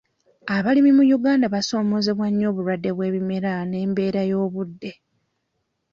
Abalimi mu Uganda basoomozeebwa nnyo obulwadde bw'ebimera n'embeera y'obudde.